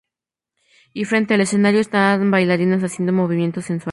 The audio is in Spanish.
Y frente al escenario, están bailarinas haciendo movimientos sensuales.